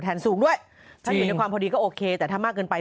สูงด้วยถ้าอยู่ในความพอดีก็โอเคแต่ถ้ามากเกินไป